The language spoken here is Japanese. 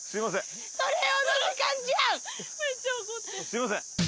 すいません。